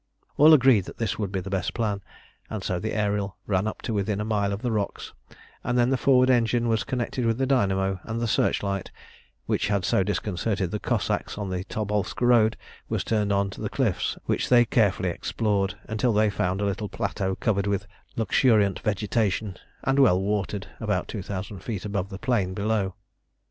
All agreed that this would be the best plan, and so the Ariel ran up to within a mile of the rocks, and then the forward engine was connected with the dynamo, and the searchlight, which had so disconcerted the Cossacks on the Tobolsk road, was turned on to the cliffs, which they carefully explored, until they found a little plateau covered with luxuriant vegetation and well watered, about two thousand feet above the plain below.